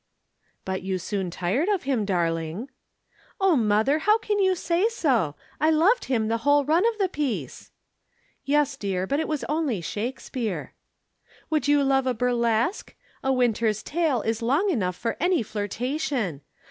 "But you soon tired of him, darling." "Oh, mother! How can you say so? I loved him the whole run of the piece." "Yes, dear, but it was only Shakespeare." "Would you have love a Burlesque? 'A Winter's Tale' is long enough for any flirtation.